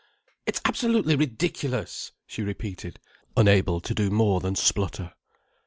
"It's absolutely ridiculous!" she repeated, unable to do more than splutter.